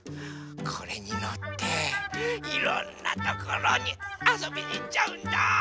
これにのっていろんなところにあそびにいっちゃうんだ。